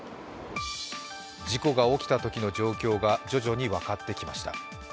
事故が起きたときの状況が徐々に分かってきました。